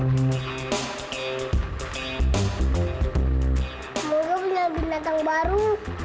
semoga punya binatang baru